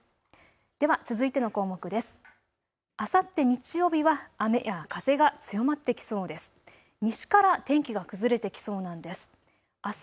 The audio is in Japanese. では続いての項目です。